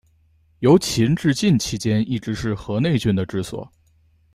由秦至晋期间一直是河内郡的治所。